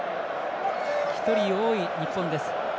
１人多い、日本です。